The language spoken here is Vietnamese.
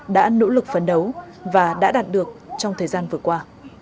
đã nỗ lực phấn đấu và đã đạt được trong thời gian vừa qua